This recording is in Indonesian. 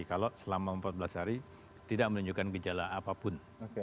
kalau selama empat belas hari tidak menunjukkan gejala apapun